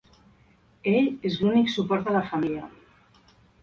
Ell és l'únic suport de la família.